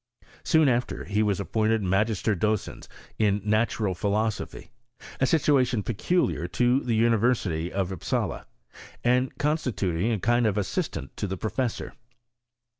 Soon after, he was appointed magister docens in natural philosopliy, a situation peculiar to the University rf Upsala, and constituting a kind of assistant to the professor.